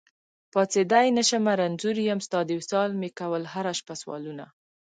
پاڅېدی نشمه رنځور يم، ستا د وصال مي کول هره شپه سوالونه